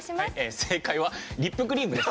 正解はリップクリームです。